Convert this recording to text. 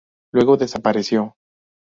Luego desapareció.